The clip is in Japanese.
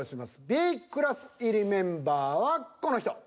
Ｂクラス入りメンバーはこの人。